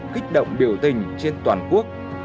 kích động biểu tình trên toàn quốc